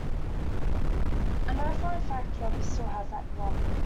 I know for a fact Robby still has that glove.